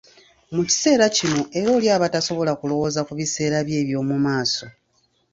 Mu kiseera kino era oli aba tasobola kulowooza ku biseera bye eby'omu maaso.